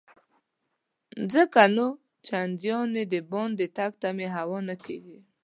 ځکه نو چنداني دباندې تګ ته مې هوا نه کیږي.